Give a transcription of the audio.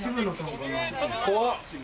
怖っ。